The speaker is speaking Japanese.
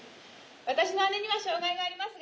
私の姉には障害がありますが。